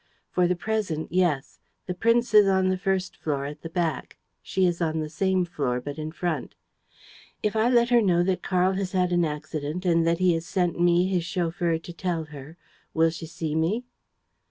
"For the present, yes. The prince is on the first floor, at the back; she is on the same floor, but in front." "If I let her know that Karl has had an accident and that he has sent me, his chauffeur, to tell her, will she see me?"